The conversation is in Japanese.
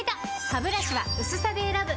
ハブラシは薄さで選ぶ！